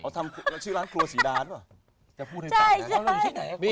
น้องมายน่าชื่อร้านครัวศรีดาน่ะ